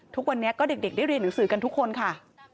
ทุกวันนี้ก็เด็กได้เรียนหนังสือกันทุกคนค่ะ